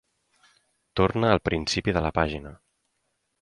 Torna al principi de la pàgina.